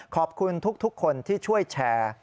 ขอบคุณทุกคนที่ช่วยแชร์